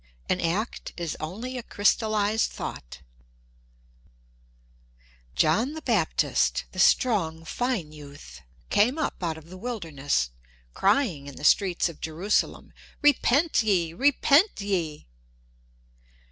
An act is only a crystallized thought. JOHN THE BAPTIST AND SALOME John the Baptist, the strong, fine youth, came up out of the wilderness crying in the streets of Jerusalem, "Repent ye! Repent ye!"